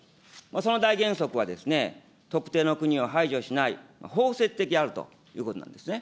その大原則はですね、特定の国を排除しない、包摂的であるということなんですね。